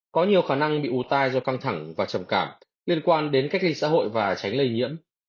có nhiều khả năng bị ủ tai do căng thẳng và trầm cảm liên quan đến cách ly xã hội và tránh lây nhiễm